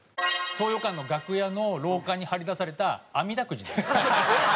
東洋館の楽屋の廊下に貼り出されたあみだくじです。